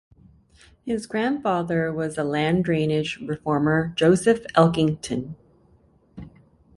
His grandfather was the land drainage reformer Joseph Elkington.